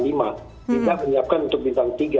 kita menyiapkan untuk bintang tiga